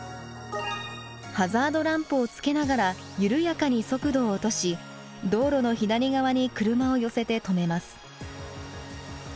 ハザードランプをつけながら緩やかに速度を落とし道路の左側に車を寄せて止めます。